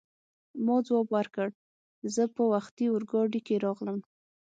ما ځواب ورکړ: زه په وختي اورګاډي کې راغلم.